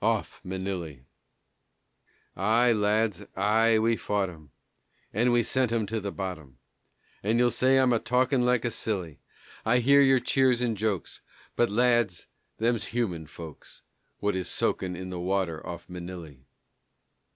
"OFF MANILLY" Aye, lads, aye, we fought 'em, And we sent 'em to the bottom, And you'll say that I'm a talkin' like a silly; I hear your cheers and jokes, But, lads, them's human folks What is soakin' in the water off Manilly.